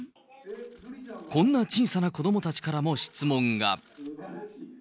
こんな小さな子どもたちからも質問が。